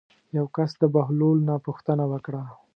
یو کس د بهلول نه پوښتنه وکړه.